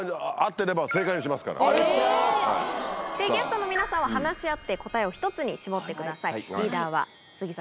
ゲストの皆さんは話し合って答えを１つに絞ってくださいリーダーは杉咲花さん。